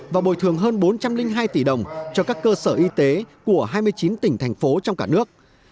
và bồi thường hơn bốn trăm linh hai tỷ đồng cho các cơ sở y tế của hai mươi chín tỉnh thành phố trong cả nước